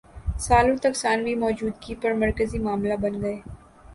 سالوں تک ثانوی موجودگی پر مرکزی معاملہ بن گئے